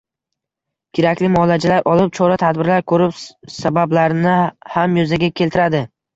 Kerakli muolajalar olib, chora-tadbirlar ko‘rib, sabablarni ham yuzaga keltiradi.